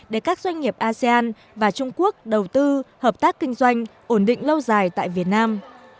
để các doanh nghiệp asean và trung quốc đầu tư hợp tác kinh doanh ổn định lâu dài tại việt nam